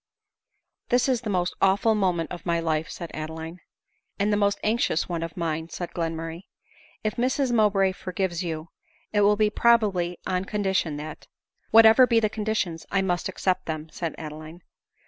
This is the most awful moment of my life," said Adeline. " And the most anxious one of mine," said Glenmurray ." If Mrs Mowbray forgives you, it will be probably on condition that "" Whatever be the conditions, I must accept them," said Adeline.